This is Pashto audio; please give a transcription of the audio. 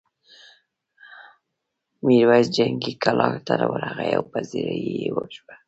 میرويس جنګي کلا ته ورغی او پذيرايي یې وشوه.